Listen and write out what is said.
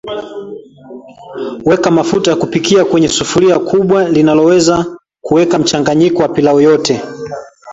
Weka mafuta ya kupikia kwenye sufuria kubwa linaloweza kuweka mchanganyiko wa pilau yote